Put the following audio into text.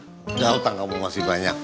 udah hutang kamu masih banyak